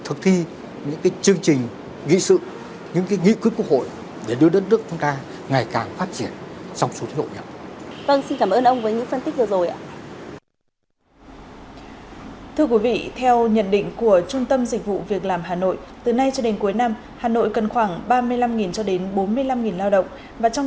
thưa quý vị theo nhận định của trung tâm dịch vụ việc làm hà nội từ nay cho đến cuối năm hà nội cần khoảng ba mươi triệu đồng